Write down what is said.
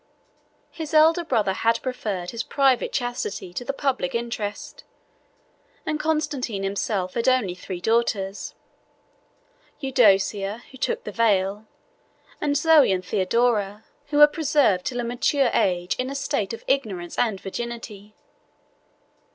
His elder brother had preferred his private chastity to the public interest, and Constantine himself had only three daughters; Eudocia, who took the veil, and Zoe and Theodora, who were preserved till a mature age in a state of ignorance and virginity.